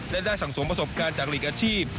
และได้สั่งสมประสบการณ์จากหลีกอาชีพ